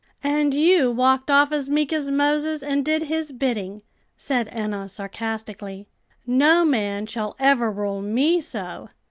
"And you walked off as meek as Moses, and did his bidding," said Enna sarcastically. "No man shall ever rule me so.